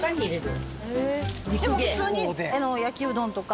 でも普通に焼きうどんとか。